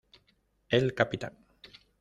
El capitán.